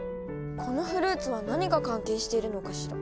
このフルーツは何が関係しているのかしら？